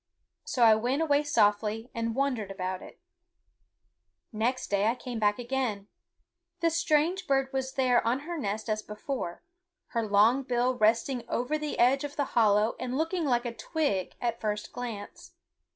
So I went away softly and wondered about it. Next day I came back again. The strange bird was there on her nest as before, her long bill resting over the edge of the hollow and looking like a twig at the first glance.